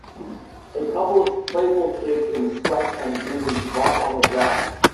A couple of playful kids in sweats and jeans romp on the grass.